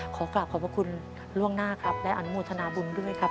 ขอกลับขอบพระคุณล่วงหน้าครับและอนุโมทนาบุญด้วยครับ